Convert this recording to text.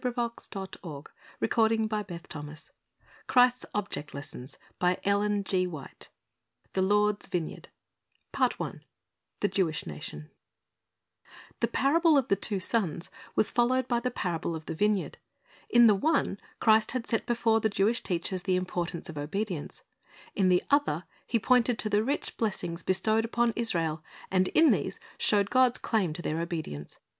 "* 'Luke2 .n 2john 4 : 34 Mai. 3:17 •< John 14 : 15 24 ; 15:10 Th e Lo I'd ' s Vi n ey a rd THE JEWISH NATION 'V ^HE parable of the two sons was followed by the parable of the vineyard. In the one, Christ had set before the Jewish teachers the importance of obedience. In the other, He pointed to the rich blessings bestowed upon Israel, and in these showed God's claim to their obedience.